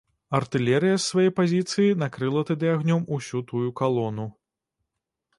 Артылерыя з свае пазіцыі накрыла тады агнём усю тую калону.